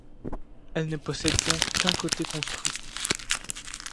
Elle ne possède donc qu'un côté construit.